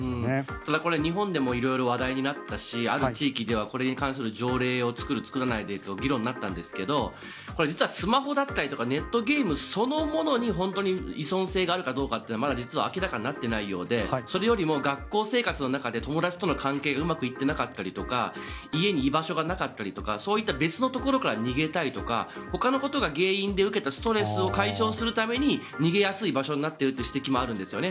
ただ、これ日本でも色々話題になったしある地域ではこれに関する条例を作る作らないで議論になったんですけど実はスマホだったりとかネットゲームそのものに本当に依存性があるかどうかはまだ実は明らかになっていないようでそれよりも学校生活の中で友だちとの関係がうまく行ってなかったりとか家に居場所がなかったりとかそういった別のところから逃げたいとかほかのことが原因で受けたストレスを解消するために逃げやすい場所になっているという指摘もあるんですよね。